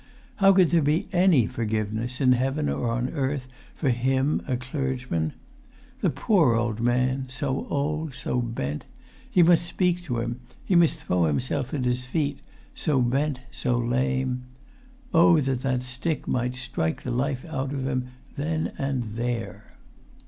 How could there be any forgiveness, in heaven or on earth, for him a clergyman? The poor old man, so old, so bent! He must speak to him; he must throw himself at his feet; so bent, so lame! Oh, that that stick might strike the life out of him then and there!